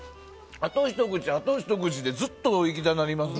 あとひと口、あとひと口でずっといきたなりますね。